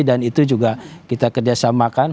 dan itu juga kita kerjasamakan